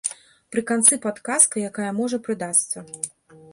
Пры канцы падказка, якая можа прыдасца.